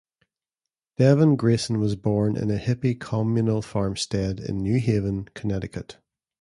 Devin Grayson was born in a hippie communal farmstead in New Haven, Connecticut.